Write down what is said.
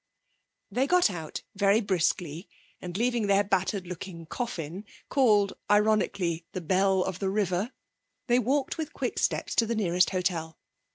They got out very briskly, and, leaving their battered looking coffin (called ironically the Belle of the River), they walked with quick steps to the nearest hotel.